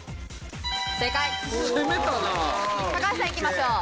高橋さんいきましょう。